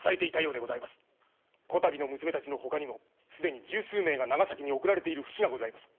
こたびの娘達の他にも既に十数名が長崎に送られている節がございます。